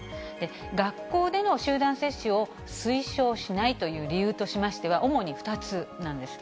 学校での集団接種を推奨しないという理由としましては、主に２つなんです。